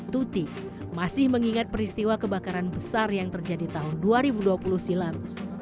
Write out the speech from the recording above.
tuti masih mengingat peristiwa kebakaran besar yang terjadi tahun dua ribu dua puluh silam